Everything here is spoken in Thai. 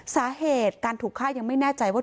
สาเหตุการถูกฆ่ายังไม่แน่ใจว่า